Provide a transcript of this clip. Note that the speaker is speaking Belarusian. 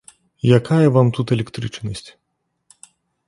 Якая вам тут электрычнасць.